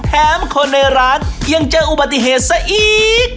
แถมคนในร้านยังเจออุบัติเหตุซะอีก